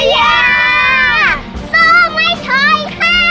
สู้ไว้ช่วยค่ะ